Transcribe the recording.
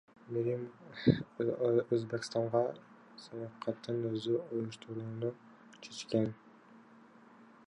Мээрим Өзбекстанга саякатын өзү уюштурууну чечкен.